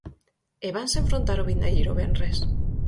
E vanse enfrontar o vindeiro venres.